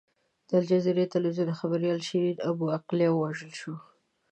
د الجزیرې ټلویزیون خبریاله شیرین ابو عقیله ووژل شوه.